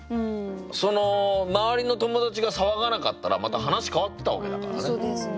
その周りの友達が騒がなかったらまた話変わってたわけだからね。